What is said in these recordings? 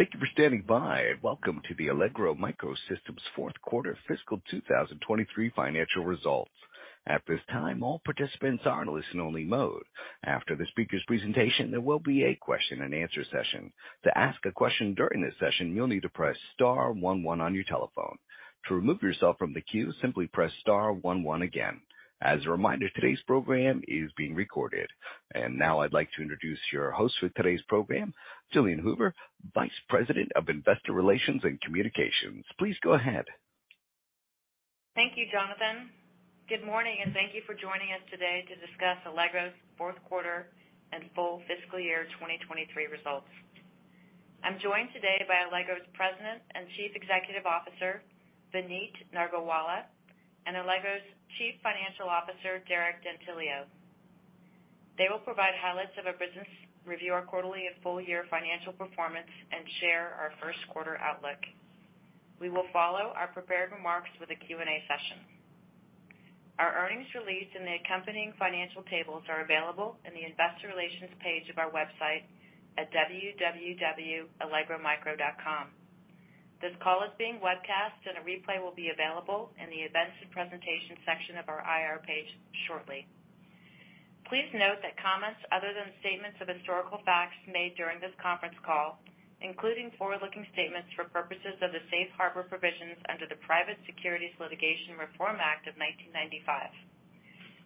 Thank you for standing by, and welcome to the Allegro MicroSystems fourth quarter fiscal 2023 financial results. At this time, all participants are in a listen-only mode. After the speaker's presentation, there will be a question-and-answer session. To ask a question during this session, you'll need to press star one one on your telephone. To remove yourself from the queue, simply press star one one again. As a reminder, today's program is being recorded. Now I'd like to introduce your host for today's program, Jalene Hoover, Vice President of Investor Relations and Corporate Communications. Please go ahead. Thank you, Jonathan. Good morning, thank you for joining us today to discuss Allegro's fourth quarter and full fiscal year 2023 results. I'm joined today by Allegro's President and Chief Executive Officer, Vineet Nargolwala, and Allegro's Chief Financial Officer, Derek D'Antilio. They will provide highlights of our business, review our quarterly and full year financial performance, and share our first quarter outlook. We will follow our prepared remarks with a Q&A session. Our earnings release and the accompanying financial tables are available in the investor relations page of our website at www.allegromicro.com. This call is being webcast, and a replay will be available in the Events and Presentation section of our IR page shortly. Please note that comments other than statements of historical facts made during this conference call, including forward-looking statements for purposes of the safe harbor provisions under the Private Securities Litigation Reform Act of 1995.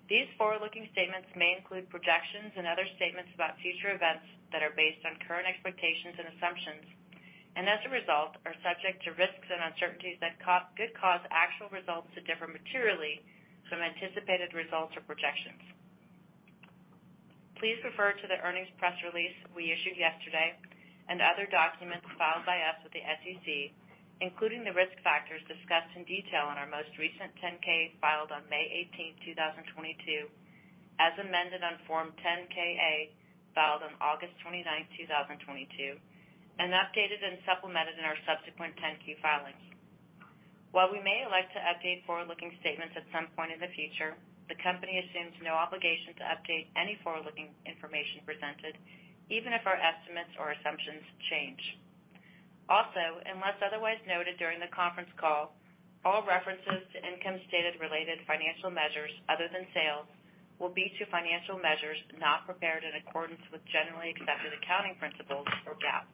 These forward-looking statements may include projections and other statements about future events that are based on current expectations and assumptions, and as a result, are subject to risks and uncertainties that could cause actual results to differ materially from anticipated results or projections. Please refer to the earnings press release we issued yesterday and other documents filed by us with the SEC, including the risk factors discussed in detail in our most recent 10-K filed on May 18th, 2022, as amended on Form 10-K/A, filed on August 29th, 2022, and updated and supplemented in our subsequent 10-Q filings. While we may elect to update forward-looking statements at some point in the future, the company assumes no obligation to update any forward-looking information presented, even if our estimates or assumptions change. Also, unless otherwise noted during the conference call, all references to income stated related financial measures other than sales will be to financial measures not prepared in accordance with generally accepted accounting principles or GAAP.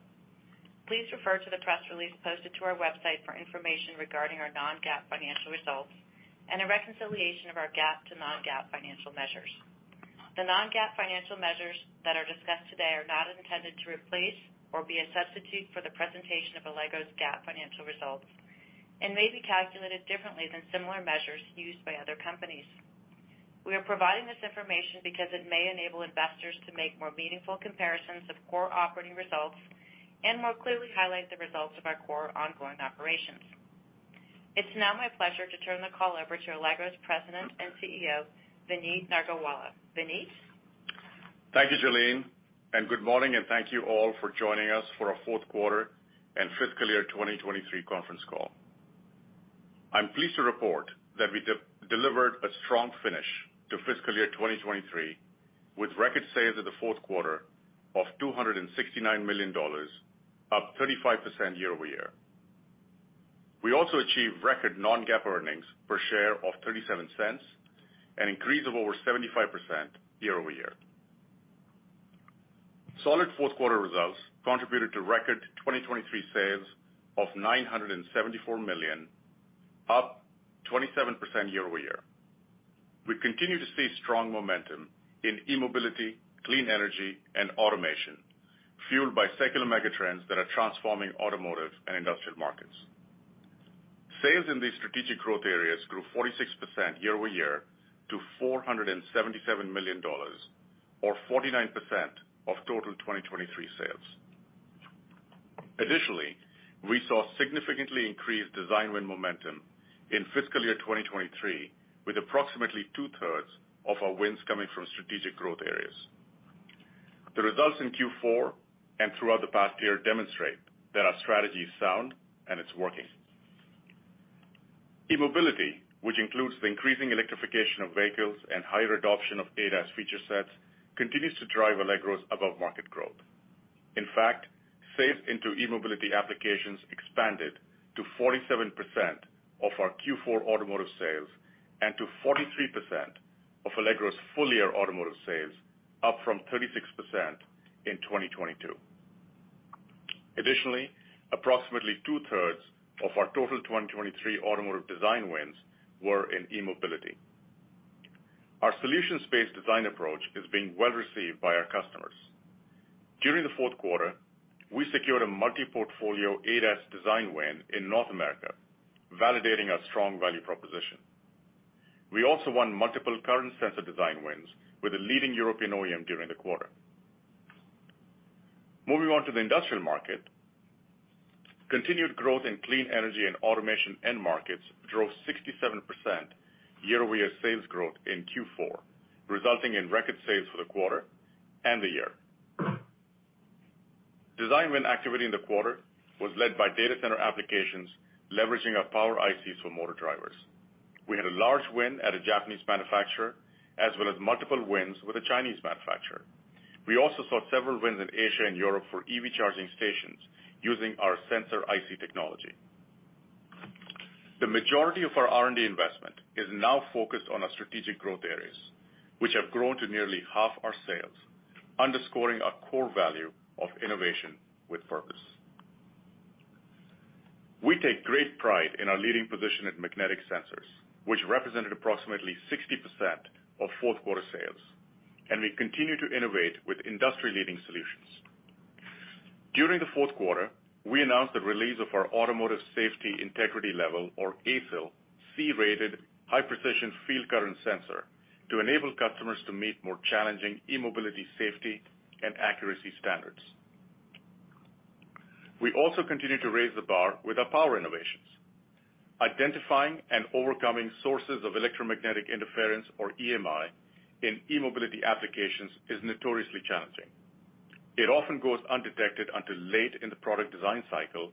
Please refer to the press release posted to our website for information regarding our non-GAAP financial results and a reconciliation of our GAAP to non-GAAP financial measures. The non-GAAP financial measures that are discussed today are not intended to replace or be a substitute for the presentation of Allegro's GAAP financial results and may be calculated differently than similar measures used by other companies. We are providing this information because it may enable investors to make more meaningful comparisons of core operating results and more clearly highlight the results of our core ongoing operations. It's now my pleasure to turn the call over to Allegro's President and CEO, Vineet Nargolwala. Vineet. Thank you, Jalene, and good morning and thank you all for joining us for our fourth quarter and fiscal year 2023 conference call. I'm pleased to report that we de-delivered a strong finish to fiscal year 2023, with record sales in the fourth quarter of $269 million, up 35% year-over-year. We also achieved record non-GAAP earnings per share of $0.37, an increase of over 75% year-over-year. Solid fourth quarter results contributed to record 2023 sales of $974 million, up 27% year-over-year. We continue to see strong momentum in e-mobility, clean energy, and automation, fueled by secular megatrends that are transforming automotive and industrial markets. Sales in these strategic growth areas grew 46% year-over-year to $477 million or 49% of total 2023 sales. Additionally, we saw significantly increased design win momentum in fiscal year 2023, with approximately two-thirds of our wins coming from strategic growth areas. The results in Q4 and throughout the past year demonstrate that our strategy is sound and it's working. E-mobility, which includes the increasing electrification of vehicles and higher adoption of ADAS feature sets, continues to drive Allegro's above-market growth. In fact, sales into e-mobility applications expanded to 47% of our Q4 automotive sales and to 43% of Allegro's full year automotive sales, up from 36% in 2022. Additionally, approximately two-thirds of our total 2023 automotive design wins were in e-mobility. Our solutions-based design approach is being well received by our customers. During the fourth quarter, we secured a multi-portfolio ADAS design win in North America, validating our strong value proposition. We also won multiple current sensor design wins with a leading European OEM during the quarter. Moving on to the industrial market. Continued growth in clean energy and automation end markets drove 67% year-over-year sales growth in Q4, resulting in record sales for the quarter and the year. Design win activity in the quarter was led by data center applications leveraging our power ICs for motor drivers. We had a large win at a Japanese manufacturer as well as multiple wins with a Chinese manufacturer. We also saw several wins in Asia and Europe for EV charging stations using our sensor IC technology. The majority of our R&D investment is now focused on our strategic growth areas, which have grown to nearly half our sales, underscoring our core value of innovation with purpose. We take great pride in our leading position at magnetic sensors, which represented approximately 60% of fourth quarter sales, and we continue to innovate with industry-leading solutions. During the fourth quarter, we announced the release of our automotive safety integrity level, or ASIL, C-rated high precision field current sensor to enable customers to meet more challenging e-mobility safety and accuracy standards. We also continue to raise the bar with our power innovations. Identifying and overcoming sources of electromagnetic interference, or EMI, in e-mobility applications is notoriously challenging. It often goes undetected until late in the product design cycle,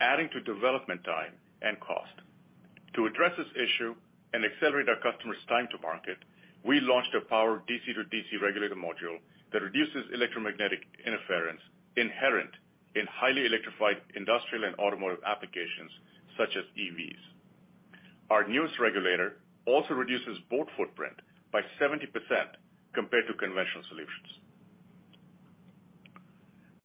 adding to development time and cost. To address this issue and accelerate our customers' time to market, we launched a power DC-to-DC regulator module that reduces electromagnetic interference inherent in highly electrified industrial and automotive applications, such as EVs. Our newest regulator also reduces board footprint by 70% compared to conventional solutions.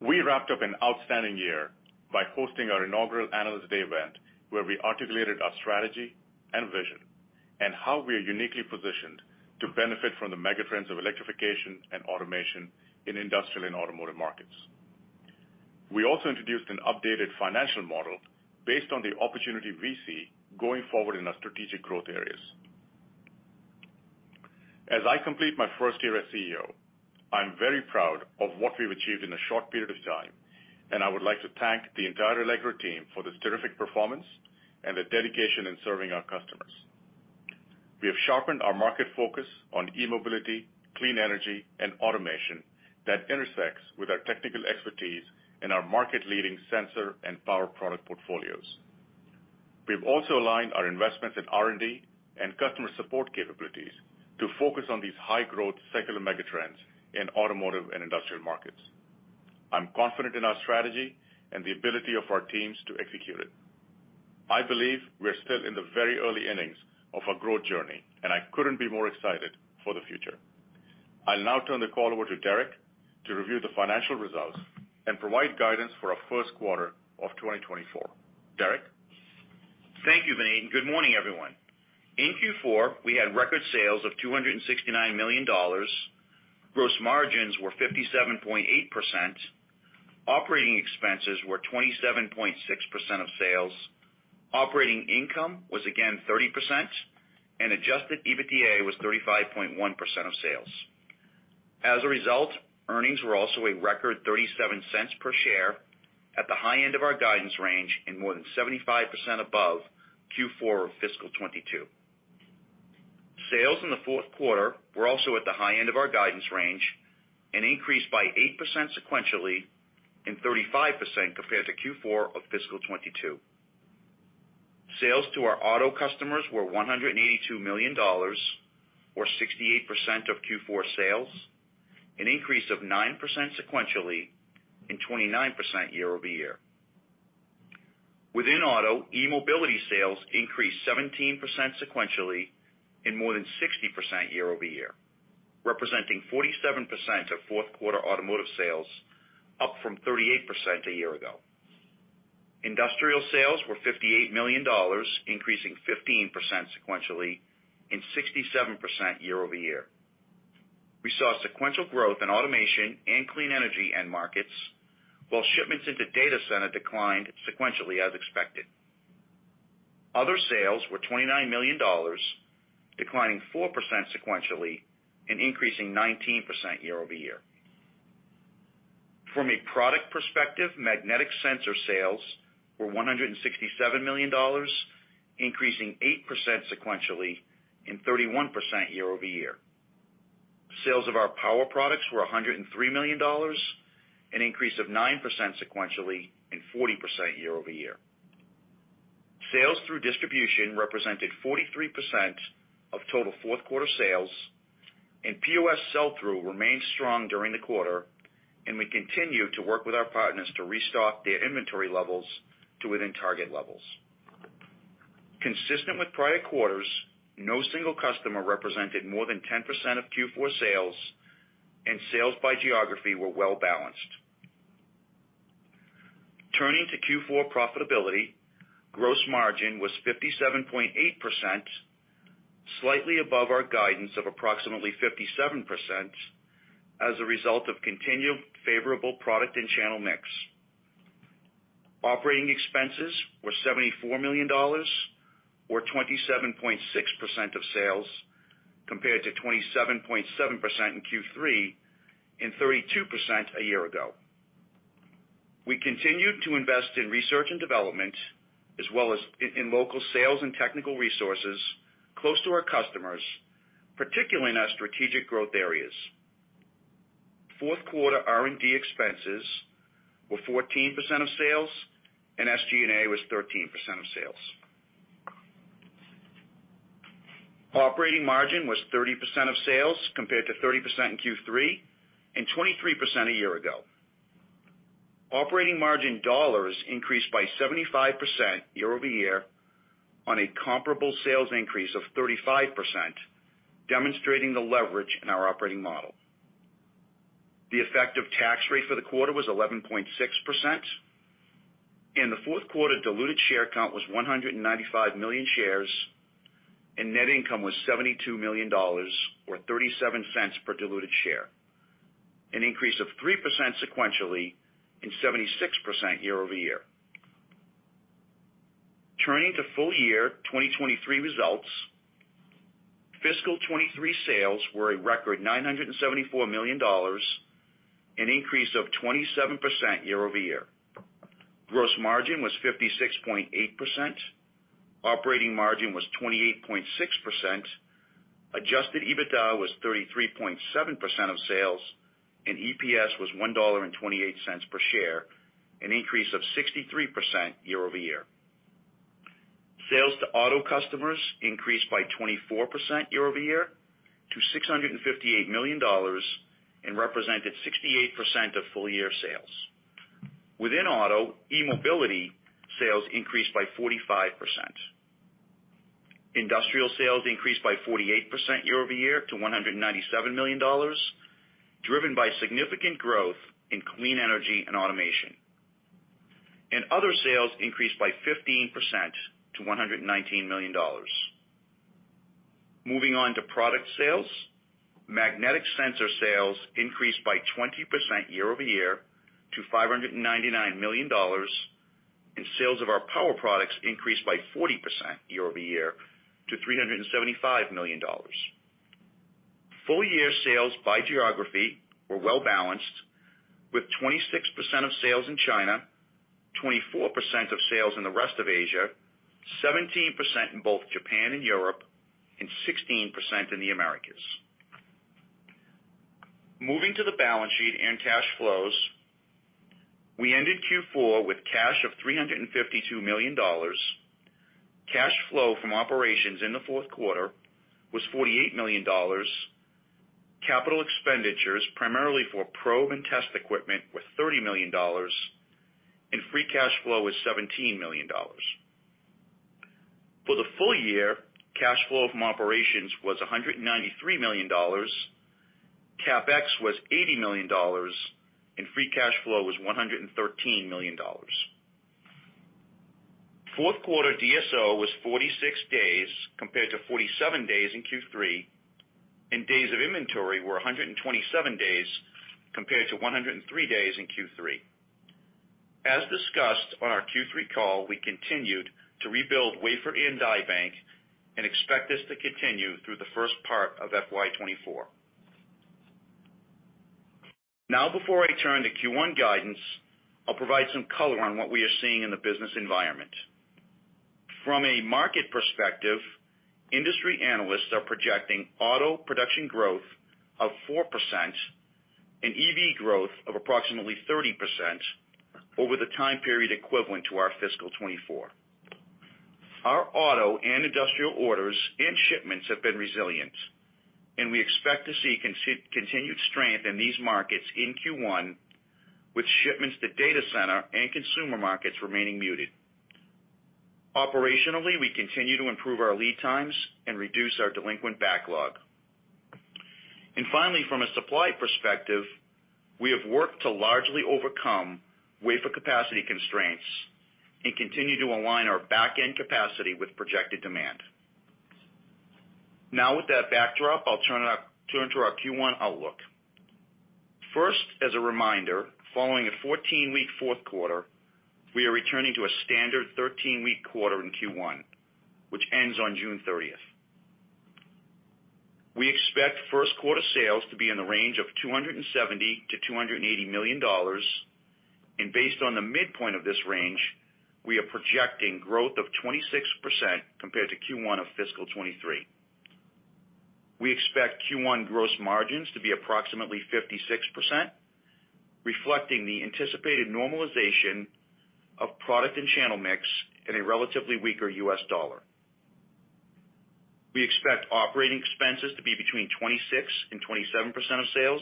We wrapped up an outstanding year by hosting our inaugural Analyst Day event, where we articulated our strategy and vision and how we are uniquely positioned to benefit from the mega trends of electrification and automation in industrial and automotive markets. We also introduced an updated financial model based on the opportunity we see going forward in our strategic growth areas. As I complete my first year as CEO, I'm very proud of what we've achieved in a short period of time. I would like to thank the entire Allegro team for this terrific performance and their dedication in serving our customers. We have sharpened our market focus on e-mobility, clean energy, and automation that intersects with our technical expertise and our market-leading sensor and power product portfolios. We've also aligned our investments in R&D and customer support capabilities to focus on these high-growth secular mega trends in automotive and industrial markets. I'm confident in our strategy and the ability of our teams to execute it. I believe we're still in the very early innings of our growth journey. I couldn't be more excited for the future. I'll now turn the call over to Derek to review the financial results and provide guidance for our first quarter of 2024. Derek? Thank you, Vineet, and good morning, everyone. In Q4, we had record sales of $269 million. Gross margins were 57.8%. Operating expenses were 27.6% of sales. Operating income was again 30%, and adjusted EBITDA was 35.1% of sales. As a result, earnings were also a record $0.37 per share at the high end of our guidance range and more than 75 above Q4 of fiscal 2022. Sales in the fourth quarter were also at the high end of our guidance range and increased by 8% sequentially and 35% compared to Q4 of fiscal 2022. Sales to our auto customers were $182 million or 68% of Q4 sales, an increase of 9% sequentially and 29% year-over-year. Within auto, e-mobility sales increased 17% sequentially and more than 60% year-over-year, representing 47% of fourth quarter automotive sales, up from 38% a year ago. Industrial sales were $58 million, increasing 15% sequentially and 67% year-over-year. We saw sequential growth in automation and clean energy end markets while shipments into data center declined sequentially as expected. Other sales were $29 million, declining 4% sequentially and increasing 19% year-over-year. From a product perspective, magnetic sensor sales were $167 million, increasing 8% sequentially and 31% year-over-year. Sales of our power products were $103 million, an increase of 9% sequentially and 40% year-over-year. Sales through distribution represented 43% of total fourth quarter sales, and POS sell-through remained strong during the quarter, and we continue to work with our partners to restock their inventory levels to within target levels. Consistent with prior quarters, no single customer represented more than 10% of Q4 sales, and sales by geography were well-balanced. Turning to Q4 profitability, gross margin was 57.8%, slightly above our guidance of approximately 57% as a result of continued favorable product and channel mix. Operating expenses were $74 million or 27.6% of sales, compared to 27.7% in Q3 and 32% a year ago. We continued to invest in research and development as well as in local sales and technical resources close to our customers, particularly in our strategic growth areas. Fourth quarter R&D expenses were 14% of sales and SG&A was 13% of sales. Operating margin was 30% of sales compared to 30% in Q3 and 23% a year ago. Operating margin dollars increased by 75% year-over-year on a comparable sales increase of 35%, demonstrating the leverage in our operating model. The effective tax rate for the quarter was 11.6%, and the fourth quarter diluted share count was 195 million shares, and net income was $72 million or $0.37 per diluted share, an increase of 3% sequentially and 76% year-over-year. Turning to full year 2023 results. Fiscal 2023 sales were a record $974 million, an increase of 27% year-over-year. Gross margin was 56.8%. Operating margin was 28.6%. Adjusted EBITDA was 33.7% of sales, and EPS was $1.28 per share, an increase of 63% year-over-year. Sales to auto customers increased by 24% year-over-year to $658 million and represented 68% of full year sales. Within auto, e-mobility sales increased by 45%. Industrial sales increased by 48% year-over-year to $197 million, driven by significant growth in clean energy and automation. Other sales increased by 15% to $119 million. Moving on to product sales. Magnetic sensor sales increased by 20% year-over-year to $599 million, sales of our power products increased by 40% year-over-year to $375 million. Full year sales by geography were well-balanced, with 26% of sales in China, 24% of sales in the rest of Asia, 17% in both Japan and Europe, 16% in the Americas. Moving to the balance sheet and cash flows. We ended Q4 with cash of $352 million. Cash flow from operations in the fourth quarter was $48 million. Capital expenditures, primarily for probe and test equipment, were $30 million, free cash flow was $17 million. For the full year, cash flow from operations was $193 million, CapEx was $80 million, and free cash flow was $113 million. Fourth quarter DSO was 46 days compared to 47 days in Q3, and days of inventory were 127 days compared to 103 days in Q3. As discussed on our Q3 call, we continued to rebuild wafer and die bank and expect this to continue through the first part of FY 2024. Now, before I turn to Q1 guidance, I'll provide some color on what we are seeing in the business environment. From a market perspective, industry analysts are projecting auto production growth of 4% and EV growth of approximately 30% over the time period equivalent to our fiscal 2024. Our auto and industrial orders and shipments have been resilient, and we expect to see continued strength in these markets in Q1, with shipments to data center and consumer markets remaining muted. Operationally, we continue to improve our lead times and reduce our delinquent backlog. Finally, from a supply perspective, we have worked to largely overcome wafer capacity constraints and continue to align our back-end capacity with projected demand. Now with that backdrop, I'll turn to our Q1 outlook. First, as a reminder, following a 14-week fourth quarter, we are returning to a standard 13-week quarter in Q1, which ends on June 30th. We expect first quarter sales to be in the range of $270 million-$280 million. Based on the midpoint of this range, we are projecting growth of 26% compared to Q1 of fiscal 2023. We expect Q1 gross margins to be approximately 56%, reflecting the anticipated normalization of product and channel mix in a relatively weaker US dollar. We expect operating expenses to be between 26% and 27% of sales.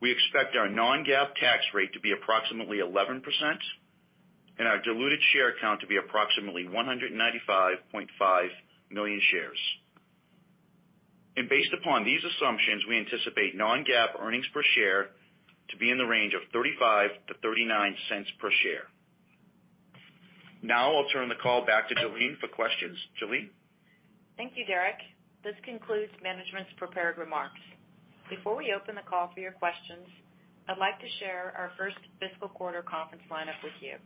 We expect our non-GAAP tax rate to be approximately 11% and our diluted share count to be approximately 195.5 million shares. Based upon these assumptions, we anticipate non-GAAP earnings per share to be in the range of $0.35-$0.39 per share. Now I'll turn the call back to Jalene for questions. Jalene? Thank you, Derek. This concludes management's prepared remarks. Before we open the call for your questions, I'd like to share our first fiscal quarter conference lineup with you.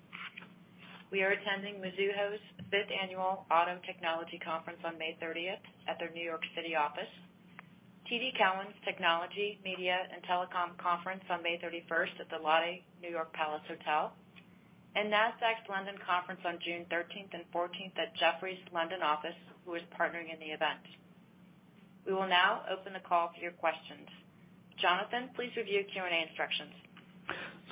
We are attending Mizuho's fifth annual Auto Technology Conference on May 30th at their New York City office, TD Cowen's Technology, Media and Telecom Conference on May 31st at the Lotte New York Palace Hotel. Nasdaq's London Conference on June 13th and 14th at Jefferies London office, who is partnering in the event. We will now open the call for your questions. Jonathan, please review Q&A instructions.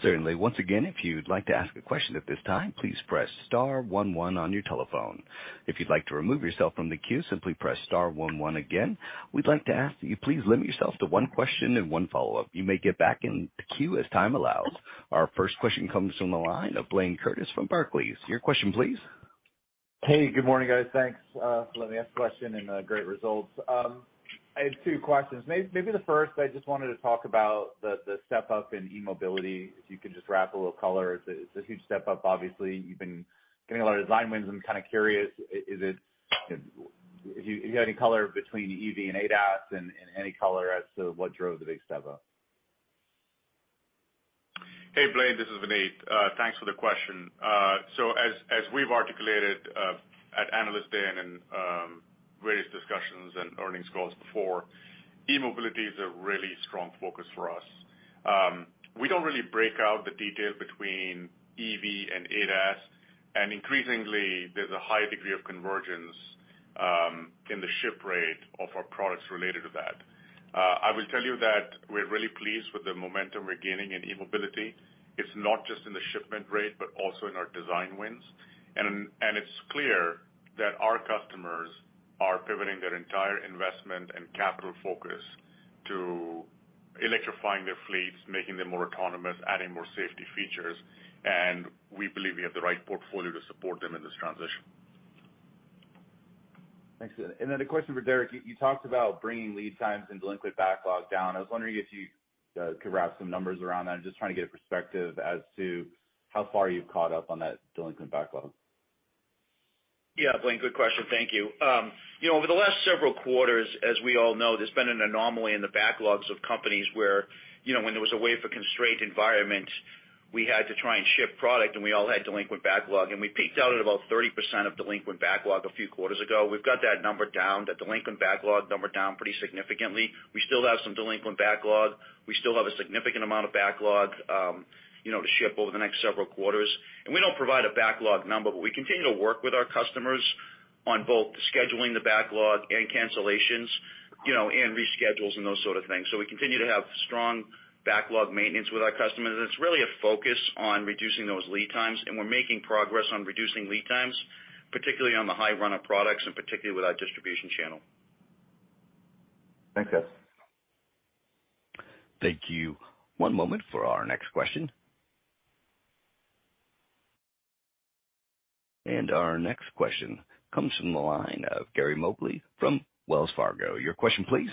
Certainly. Once again, if you'd like to ask a question at this time, please press star one one on your telephone. If you'd like to remove yourself from the queue, simply press star one one again. We'd like to ask that you please limit yourself to one question and one follow-up. You may get back in the queue as time allows. Our first question comes from the line of Blayne Curtis from Barclays. Your question please. Hey, good morning, guys. Thanks for letting me ask a question and great results. I have two questions. Maybe the first, I just wanted to talk about the step up in e-mobility, if you can just wrap a little color. It's a huge step up, obviously. You've been getting a lot of design wins. I'm kind of curious, if you got any color between EV and ADAS and any color as to what drove the big step up? Hey, Blayne, this is Vineet. Thanks for the question. So as we've articulated at Analyst Day and various discussions and earnings calls before, e-mobility is a really strong focus for us. We don't really break out the detail between EV and ADAS, and increasingly there's a high degree of convergence in the ship rate of our products related to that. I will tell you that we're really pleased with the momentum we're gaining in e-mobility. It's not just in the shipment rate, but also in our design wins. It's clear that our customers are pivoting their entire investment and capital focus to electrifying their fleets, making them more autonomous, adding more safety features, and we believe we have the right portfolio to support them in this transition. Thanks. Then a question for Derek. You talked about bringing lead times and delinquent backlog down. I was wondering if you could wrap some numbers around that. I'm just trying to get a perspective as to how far you've caught up on that delinquent backlog. Yeah, Blayne, good question. Thank you. you know, over the last several quarters, as we all know, there's been an anomaly in the backlogs of companies where, you know, when there was a way for constrained environment, we had to try and ship product, and we all had delinquent backlog. We peaked out at about 30% of delinquent backlog a few quarters ago. We've got that number down, that delinquent backlog number down pretty significantly. We still have some delinquent backlog. We still have a significant amount of backlog, you know, to ship over the next several quarters. We don't provide a backlog number, but we continue to work with our customers on both scheduling the backlog and cancellations, you know, and reschedules and those sort of things. We continue to have strong backlog maintenance with our customers, and it's really a focus on reducing those lead times, and we're making progress on reducing lead times, particularly on the high run of products and particularly with our distribution channel. Thanks, guys. Thank you. One moment for our next question. Our next question comes from the line of Gary Mobley from Wells Fargo. Your question please.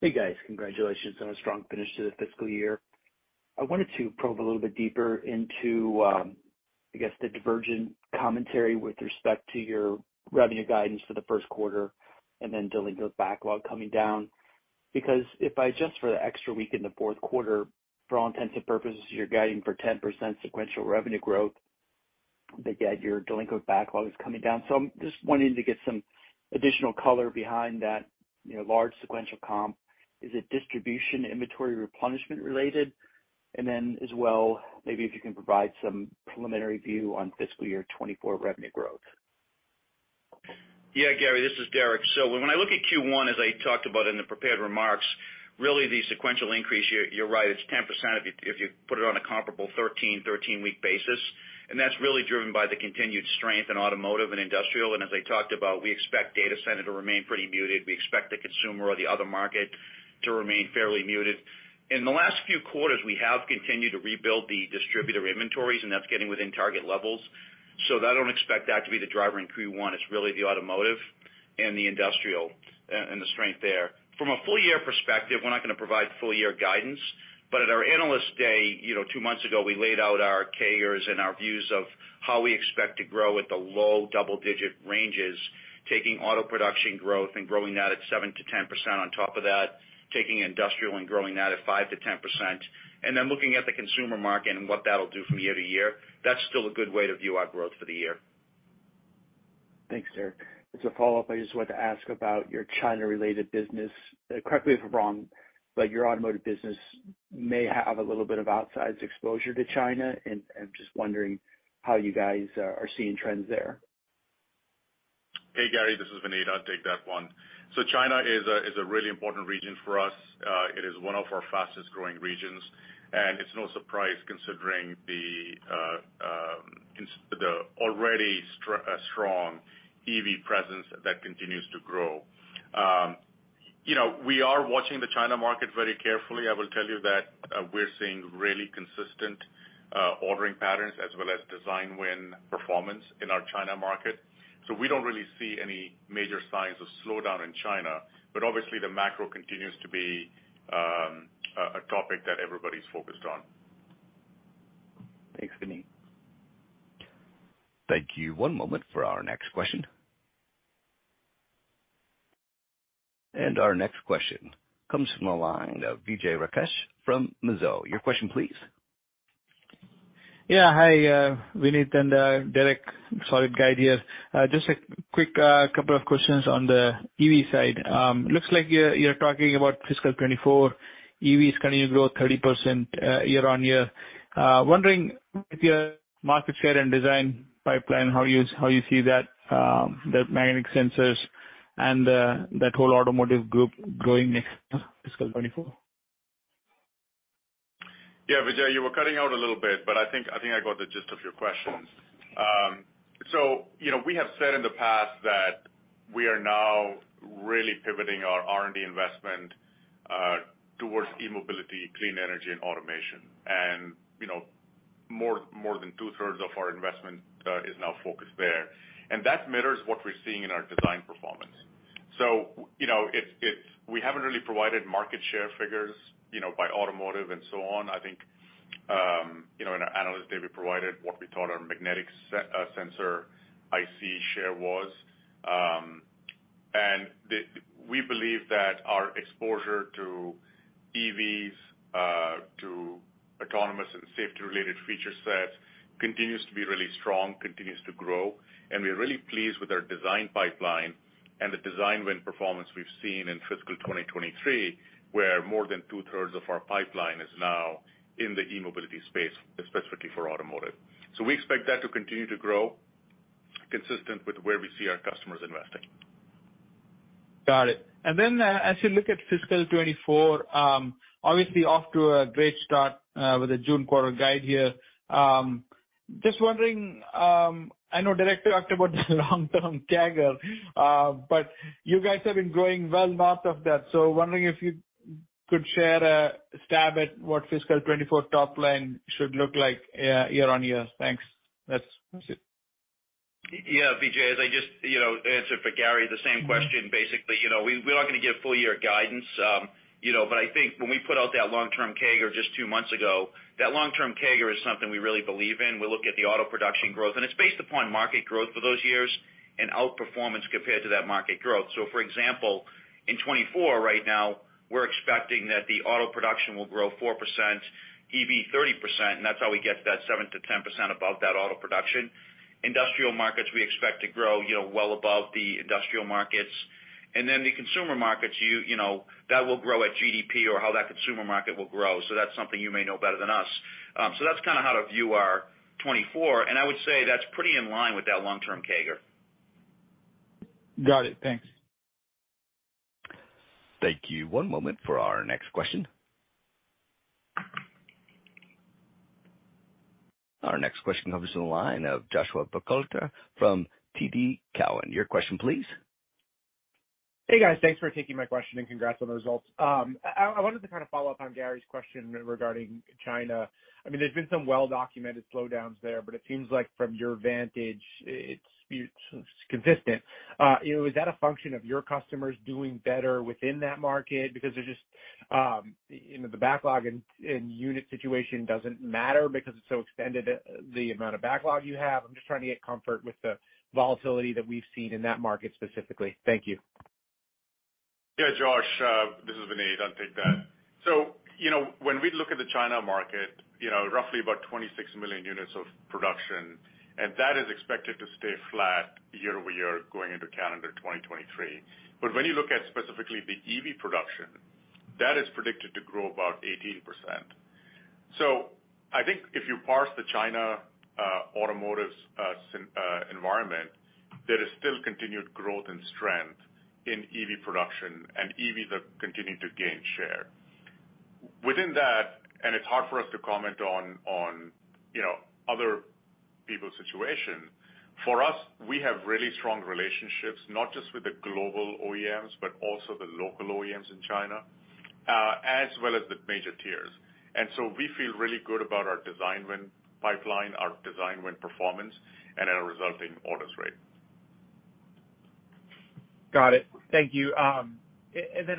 Hey, guys. Congratulations on a strong finish to the fiscal year. I wanted to probe a little bit deeper into, I guess the divergent commentary with respect to your revenue guidance for the first quarter and then delinquent backlog coming down. If I adjust for the extra week in the fourth quarter, for all intents and purposes, you're guiding for 10% sequential revenue growth, but yet your delinquent backlog is coming down. I'm just wanting to get some additional color behind that, you know, large sequential comp. Is it distribution inventory replenishment related? As well, maybe if you can provide some preliminary view on fiscal year 2024 revenue growth. Yeah, Gary, this is Derek. When I look at Q1, as I talked about in the prepared remarks, really the sequential increase, you're right, it's 10% if you, if you put it on a comparable 13-week basis. That's really driven by the continued strength in automotive and industrial. As I talked about, we expect data center to remain pretty muted. We expect the consumer or the other market to remain fairly muted. In the last few quarters, we have continued to rebuild the distributor inventories, and that's getting within target levels. I don't expect that to be the driver in Q1. It's really the automotive and the industrial and the strength there. From a full year perspective, we're not gonna provide full year guidance. At our Analyst Day, you know, two months ago, we laid out our CAGRs and our views of how we expect to grow at the low double-digit ranges, taking auto production growth and growing that at 7%-10% on top of that, taking industrial and growing that at 5%-10%, and then looking at the consumer market and what that'll do from year to year. That's still a good way to view our growth for the year. Thanks, Derek. As a follow-up, I just wanted to ask about your China-related business. Correct me if I'm wrong, but your automotive business may have a little bit of outsized exposure to China, and just wondering how you guys are seeing trends there? Hey, Gary. This is Vineet. I'll take that one. China is a really important region for us. It is one of our fastest-growing regions, and it's no surprise considering the already strong EV presence that continues to grow. You know, we are watching the China market very carefully. I will tell you that we're seeing really consistent ordering patterns as well as design win performance in our China market. We don't really see any major signs of slowdown in China, but obviously the macro continues to be a topic that everybody's focused on. Thanks, Vineet. Thank you. One moment for our next question. Our next question comes from the line of Vijay Rakesh from Mizuho. Your question please. Hi, Vineet and Derek. Solid guide here. Just a quick couple of questions on the EV side. Looks like you're talking about fiscal 2024, EVs continue to grow 30% year-on-year. Wondering with your market share and design pipeline, how you see that, the magnetic sensors and that whole automotive group growing next fiscal 2024. Yeah. Vijay, you were cutting out a little bit, but I think I got the gist of your question. You know, we have said in the past that we are now really pivoting our R&D investment towards e-mobility, clean energy and automation. You know, more than 2/3 of our investment is now focused there. That mirrors what we're seeing in our design performance. You know, it's we haven't really provided market share figures, you know, by automotive and so on. I think, you know, in our Analyst Day, we provided what we thought our magnetic sensor IC share was. We believe that our exposure to EVs, to autonomous and safety-related feature sets continues to be really strong, continues to grow, and we're really pleased with our design pipeline and the design win performance we've seen in fiscal 2023, where more than 2/3 of our pipeline is now in the e-mobility space, especially for automotive. We expect that to continue to grow consistent with where we see our customers investing. Got it. As you look at fiscal 2024, obviously off to a great start with the June quarter guide here. Just wondering, I know Derek D'Antilio talked about the long-term CAGR, but you guys have been growing well north of that, so wondering if you could share a stab at what fiscal 2024 top line should look like year-on-year. Thanks. That's it. Yeah, Vijay, as I just, you know, answered for Gary, the same question basically. You know, we're not gonna give full year guidance, you know, but I think when we put out that long-term CAGR just two months ago, that long-term CAGR is something we really believe in. We look at the auto production growth, and it's based upon market growth for those years and outperformance compared to that market growth. For example, in 2024 right now we're expecting that the auto production will grow 4%, EV 30%, and that's how we get that 7%-10% above that auto production. Industrial markets, we expect to grow, you know, well above the industrial markets. The consumer markets, you know, that will grow at GDP or how that consumer market will grow. That's something you may know better than us. That's kind of how to view our 2024, and I would say that's pretty in line with that long-term CAGR. Got it. Thanks. Thank you. One moment for our next question. Our next question comes from the line of Joshua Buchalter from TD Cowen. Your question please. Hey, guys. Thanks for taking my question and congrats on the results. I wanted to kind of follow up on Gary's question regarding China. I mean, there's been some well-documented slowdowns there, but it seems like from your vantage, it's consistent. You know, is that a function of your customers doing better within that market because they're just, you know, the backlog and unit situation doesn't matter because it's so extended, the amount of backlog you have? I'm just trying to get comfort with the volatility that we've seen in that market specifically. Thank you. Yeah, Joshua, this is Vineet. I'll take that. You know, when we look at the China market, you know, roughly about 26 million units of production, and that is expected to stay flat year-over-year going into calendar 2023. When you look at specifically the EV production, that is predicted to grow about 18%. I think if you parse the China automotive environment, there is still continued growth and strength in EV production and EVs are continuing to gain share. Within that, it's hard for us to comment on, you know, other people's situation. For us, we have really strong relationships, not just with the global OEMs, but also the local OEMs in China, as well as the major tiers. We feel really good about our design win pipeline, our design win performance, and our resulting orders rate. Got it. Thank you. Then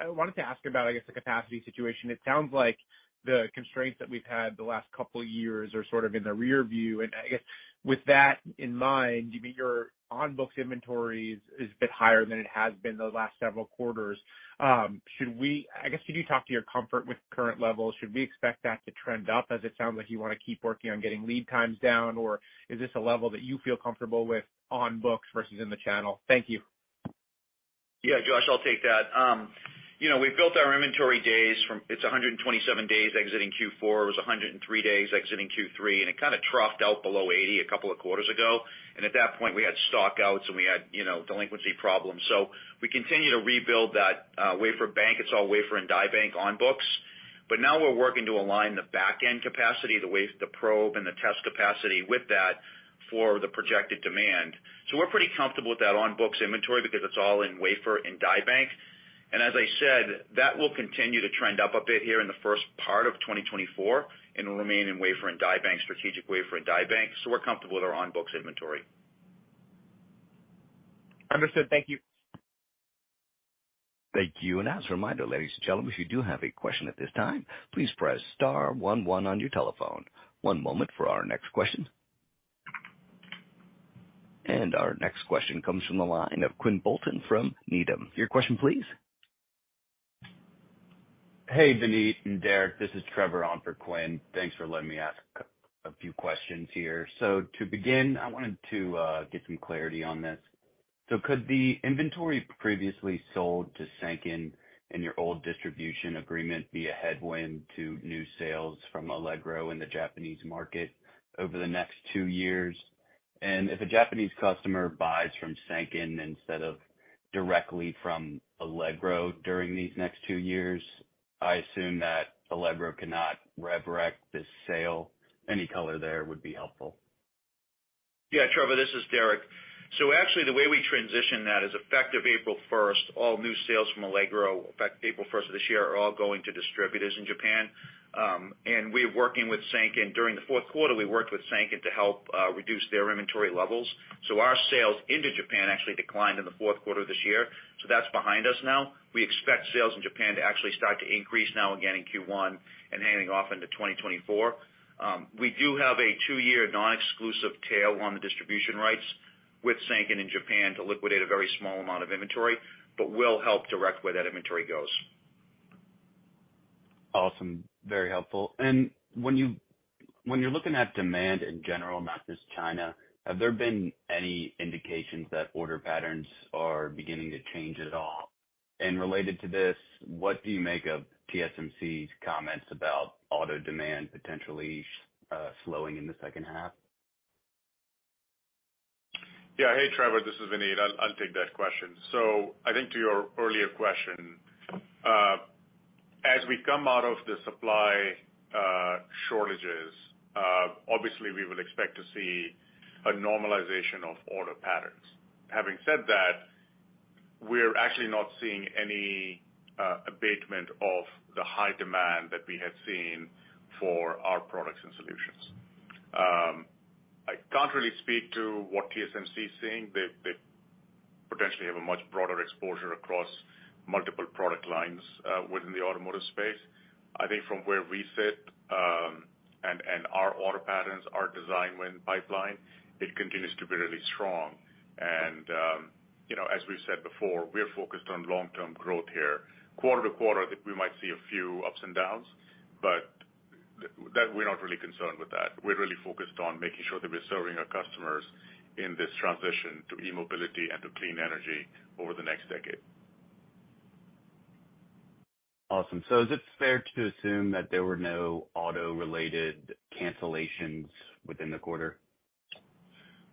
I wanted to ask about, I guess, the capacity situation. It sounds like the constraints that we've had the last couple years are sort of in the rear view. I guess with that in mind, I mean, your on-books inventories is a bit higher than it has been the last several quarters. I guess, can you talk to your comfort with current levels? Should we expect that to trend up as it sounds like you wanna keep working on getting lead times down? Is this a level that you feel comfortable with on books versus in the channel? Thank you. Yeah, Josh, I'll take that. You know, we've built our inventory days from it's 127 days exiting Q4. It was 103 days exiting Q3, it kind of troughed out below 80 a couple of quarters ago. At that point we had stock outs and we had, you know, delinquency problems. We continue to rebuild that wafer bank. It's all wafer and die bank on books. Now we're working to align the back-end capacity, the probe and the test capacity with that for the projected demand. We're pretty comfortable with that on books inventory because it's all in wafer and die bank. As I said, that will continue to trend up a bit here in the first part of 2024 and remain in wafer and die bank, strategic wafer and die bank. We're comfortable with our on books inventory. Understood. Thank you. Thank you. As a reminder, ladies and gentlemen, if you do have a question at this time, please press star one one on your telephone. One moment for our next question. Our next question comes from the line of Quinn Bolton from Needham. Your question please. Hey, Vineet and Derek, this is Trevor on for Quinn. Thanks for letting me ask a few questions here. To begin, I wanted to get some clarity on this. Could the inventory previously sold to Sanken in your old distribution agreement be a headwind to new sales from Allegro in the Japanese market over the next 2 years? If a Japanese customer buys from Sanken instead of directly from Allegro during these next 2 years, I assume that Allegro cannot resurrect this sale. Any color there would be helpful. Yeah. Trevor, this is Derek. Actually the way we transition that is effective April 1st, all new sales from Allegro, effective April 1st of this year, are all going to distributors in Japan, and we're working with Sanken. During the 4th quarter, we worked with Sanken to help reduce their inventory levels. Our sales into Japan actually declined in the 4th quarter of this year, that's behind us now. We expect sales in Japan to actually start to increase now again in Q1 and handing off into 2024. We do have a 2-year non-exclusive tail on the distribution rights with Sanken in Japan to liquidate a very small amount of inventory, but we'll help direct where that inventory goes. Awesome. Very helpful. When you, when you're looking at demand in general, not just China, have there been any indications that order patterns are beginning to change at all? Related to this, what do you make of TSMC's comments about auto demand potentially slowing in the second half? Yeah, Hey Trevor, this is Vineet. I'll take that question. I think to your earlier question, as we come out of the supply shortages, obviously we will expect to see a normalization of order patterns. Having said that, we're actually not seeing any abatement of the high demand that we had seen for our products and solutions. I can't really speak to what TSMC is seeing. They potentially have a much broader exposure across multiple product lines within the automotive space. I think from where we sit, and our order patterns, our design win pipeline, it continues to be really strong. you know, as we've said before, we're focused on long-term growth here. Quarter to quarter, we might see a few ups and downs, but we're not really concerned with that. We're really focused on making sure that we're serving our customers in this transition to e-mobility and to clean energy over the next decade. Awesome. Is it fair to assume that there were no auto-related cancellations within the quarter?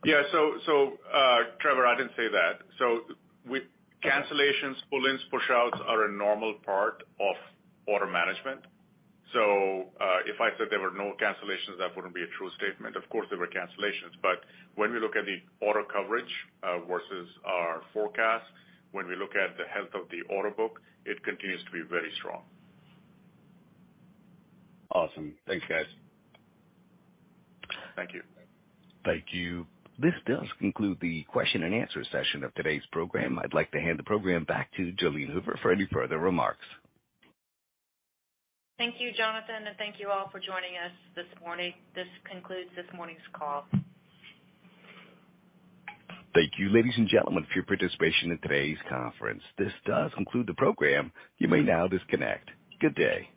Yeah. Trevor, I didn't say that. Cancellations, pull-ins, push-outs are a normal part of order management. If I said there were no cancellations, that wouldn't be a true statement. Of course, there were cancellations. When we look at the order coverage, versus our forecast, when we look at the health of the order book, it continues to be very strong. Awesome. Thanks, guys. Thank you. Thank you. This does conclude the question and answer session of today's program. I'd like to hand the program back to Jalene Hoover for any further remarks. Thank you, Jonathan, and thank you all for joining us this morning. This concludes this morning's call. Thank you, ladies and gentlemen, for your participation in today's conference. This does conclude the program. You may now disconnect. Good day.